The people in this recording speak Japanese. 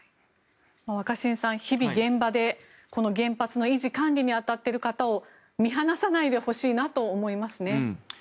若新さん、日々、現場でこの原発の維持・管理に当たっている方々を見放さないでほしいなと思いますね。